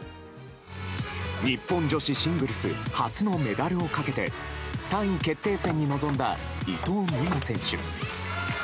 日本女子シングルス初のメダルをかけて３位決定戦に臨んだ伊藤美誠選手。